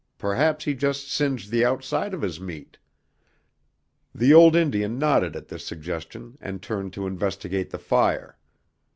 Perhaps he just singed the outside of his meat." The old Indian nodded at this suggestion and turned to investigate the fire.